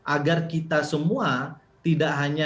agar kita semua tidak hanya